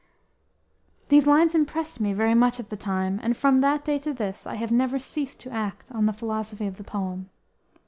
_ These lines impressed me very much at the time and from that day to this I have never ceased to act on the philosophy of the poem.